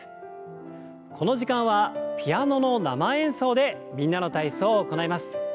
この時間はピアノの生演奏で「みんなの体操」を行います。